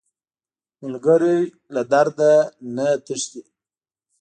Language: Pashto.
ملګری له درده نه تښتي